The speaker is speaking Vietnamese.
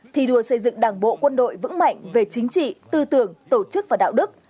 thi đua xây dựng đảng bộ quân đội vững mạnh về chính trị tư tưởng tổ chức và đạo đức